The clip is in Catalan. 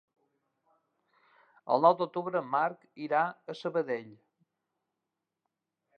El nou d'octubre en Marc irà a Sabadell.